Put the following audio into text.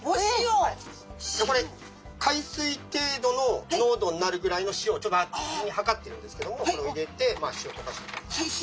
これ海水程度の濃度になるぐらいの塩をちょっと事前に量ってるんですけどこれを入れて。